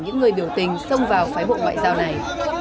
những người biểu tình xông vào phái bộ ngoại giao này